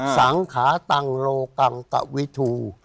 สังขาตังโลกังตะวิทู